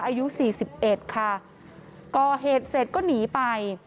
อายุสี่สิบเอ็ดค่ะก่อเหตุเสร็จก็หนีไป